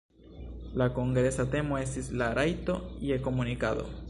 La kongresa temo estis "La rajto je komunikado".